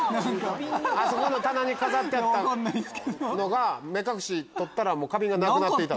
あそこの棚に飾ってあったのが目隠し取ったらなくなっていた。